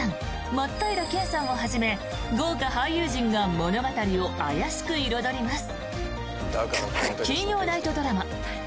松平健さんをはじめ豪華俳優陣が物語を怪しく彩ります。